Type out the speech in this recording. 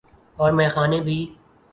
اور میخانے بھی۔